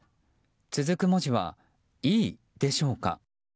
続く文字は「Ｅ」でしょうか。